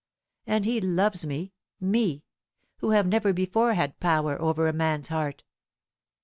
And he loves me; me, who have never before had power over a man's heart!"